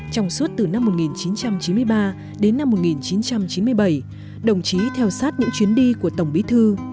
trong suốt từ năm một nghìn chín trăm chín mươi ba đến năm một nghìn chín trăm chín mươi bảy đồng chí theo sát những chuyến đi của tổng bí thư